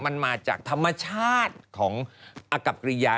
มันมาจากธรรมชาติของอกับกริยา